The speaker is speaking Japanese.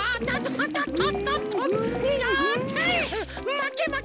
まけまけ！